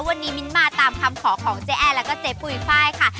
วันนี้มิ้นมาตามคำขอของเจ๊แอร์แล้วก็เจ๊ปุ๋ยไฟล์ค่ะ